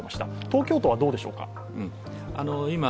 東京都はどうでしょうか？